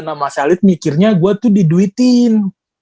nah mas alit mikirnya gue tuh diduitin